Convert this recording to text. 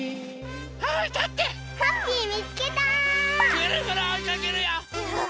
ぐるぐるおいかけるよ！